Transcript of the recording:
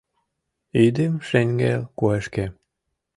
Идым шеҥгел куэшкем